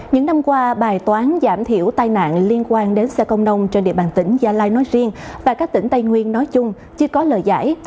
những năm qua bài toán giảm thiểu tai nạn liên quan đến xe công nông trên địa bàn tỉnh gia lai nói riêng và các tỉnh tây nguyên nói chung chưa có lời giải